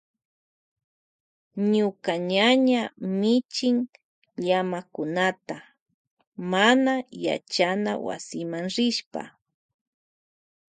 Ñuka ñaña michin llamakunata mana yachana wasima rishpa.